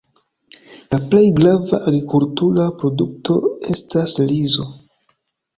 La plej grava agrikultura produkto estas rizo.